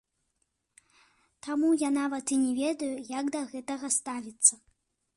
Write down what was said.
Таму я нават і не ведаю, як да гэтага ставіцца.